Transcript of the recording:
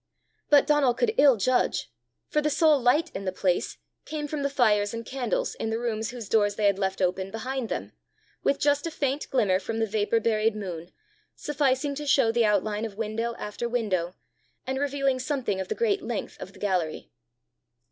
But Donal could ill judge, for the sole light in the place came from the fires and candles in the rooms whose doors they had left open behind them, with just a faint glimmer from the vapour buried moon, sufficing to show the outline of window after window, and revealing something of the great length of the gallery.